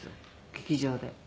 劇場で。